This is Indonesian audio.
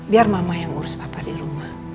biar mama yang urus papa di rumah